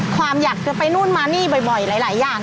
ความอยากจะไปนู่นมานี่บ่อยหลายอย่าง